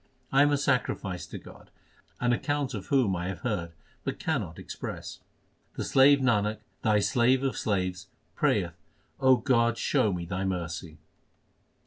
1 am a sacrifice to God, an account of whom I have heard, but cannot express. The slave Nanak, Thy slave of slaves, prayeth O God, show me Thy mercy